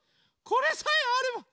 これさえあれば。